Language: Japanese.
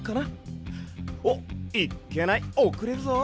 おっいっけないおくれるぞ！